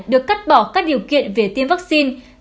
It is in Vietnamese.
được cắt bỏ các điều kiện về tiêm vaccine